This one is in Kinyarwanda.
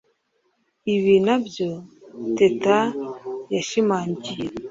Ibi ninabyo Teta yashimangiye